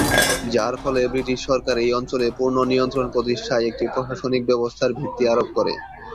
যার ফলে, ব্রিটিশ সরকার এই অঞ্চলে পূর্ণ নিয়ন্ত্রণ প্রতিষ্ঠায় একটি প্রশাসনিক ব্যবস্থার ভিত্তি আরোপ করে।